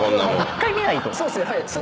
１回見ないと。